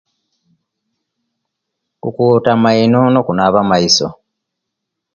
Kukuta maino ne kunaba omaiso